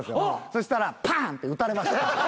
そしたらパンッ！って撃たれました。